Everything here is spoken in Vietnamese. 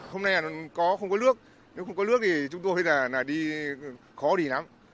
hôm nay không có lước nếu không có lước thì chúng tôi đi khó đi lắm